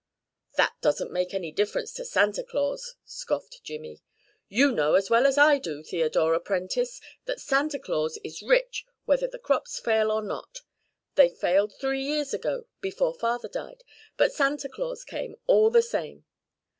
"That doesn't make any difference to Santa Claus," scoffed Jimmy. "You know as well as I do, Theodora Prentice, that Santa Claus is rich whether the crops fail or not. They failed three years ago, before Father died, but Santa Claus came all the same.